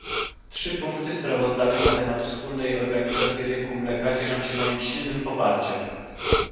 Trzy punkty sprawozdania na temat wspólnej organizacji rynku mleka cieszą się moim silnym poparciem